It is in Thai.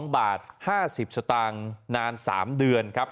๒๕๐บาทต่างนาน๓เดือนครับ